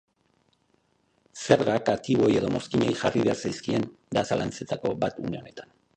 Zergak aktiboei edo mozkinei jarri behar zaizkien, da zalantzetako bat une honetan.